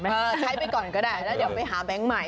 ใช้ไปก่อนก็ได้แล้วเดี๋ยวไปหาแบงค์ใหม่